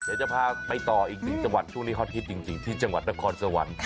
เดี๋ยวจะพาไปต่ออีกหนึ่งจังหวัดช่วงนี้ฮอตฮิตจริงที่จังหวัดนครสวรรค์